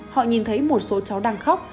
họ nhìn thấy một số cháu đang khóc